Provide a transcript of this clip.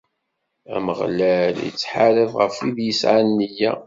Ameɣlal ittḥarab ɣef wid yesɛan nniya.